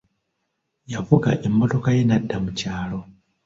Yavuga emmotoka ye n'adda mu kyalo.